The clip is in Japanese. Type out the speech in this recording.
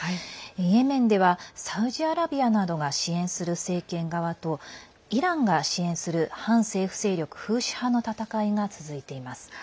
イエメンではサウジアラビアなどが支援する政権側とイランが支援する反政府勢力フーシ派の戦いが続いています。